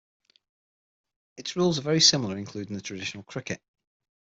Its rules are very similar including the traditional cricket.